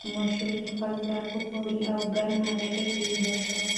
ماشوم د خپل پلار په پیاوړې او ګرمه غېږ کې ویده شو.